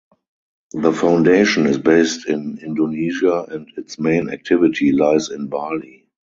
The foundation is based in Indonesia and its main activity lies in Bali.